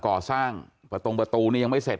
ก่อสร้างประตงประตูนี้ยังไม่เสร็จ